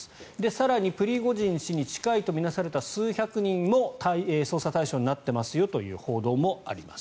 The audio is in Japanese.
更にプリゴジン氏に近いといわれる数百人も捜査対象になっていますよという報道もあります。